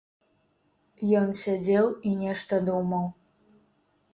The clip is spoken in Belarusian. Ён сядзеў і нешта думаў.